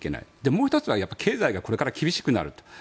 もう１つは経済がこれから厳しくなると。